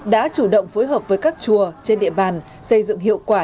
đã chủ động phối hợp với các chùa trên địa bàn xây dựng hiệu quả